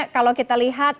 kalau kita lihat